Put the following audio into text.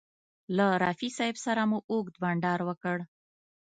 له رفیع صاحب سره مو اوږد بنډار وکړ.